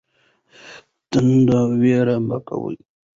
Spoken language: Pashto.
تند رویه مه کوئ.